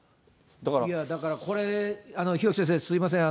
だからこれ、日置先生、すみません。